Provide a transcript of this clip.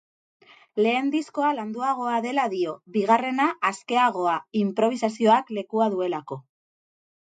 Lehen diskoa landuagoa dela dio, bigarrena askeagoa, inprobisazioak lekua duelako.